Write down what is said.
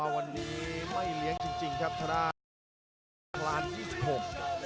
วันนี้ไม่เลี้ยงจริงครับ